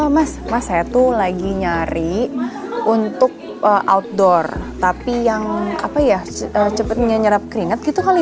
mas mas saya tuh lagi nyari untuk outdoor tapi yang apa ya cepetnya nyerap keringat gitu kali